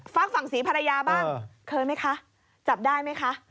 ฟักฝั่งสีภรรยาบ้างเคยมั้ยคะจับได้มั้ยคะ